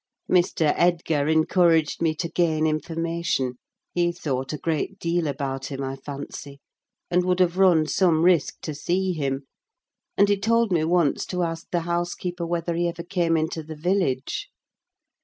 Mr. Edgar encouraged me to gain information: he thought a great deal about him, I fancy, and would have run some risk to see him; and he told me once to ask the housekeeper whether he ever came into the village?